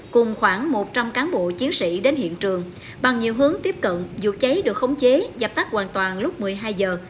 cùng khoảng một trăm linh cán bộ chiến sĩ đến hiện trường bằng nhiều hướng tiếp cận dược cháy được khống chế dập tắt hoàn toàn lúc một mươi hai giờ